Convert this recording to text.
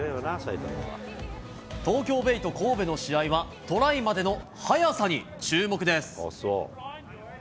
東京ベイと神戸の試合は、トライまでの速さに注目です。